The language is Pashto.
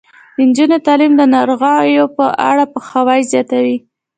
د نجونو تعلیم د ناروغیو په اړه پوهاوی زیاتوي.